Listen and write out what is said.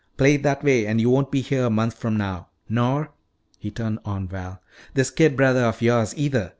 Play it that way and you won't be here a month from now. Nor," he turned on Val, "this kid brother of yours, either.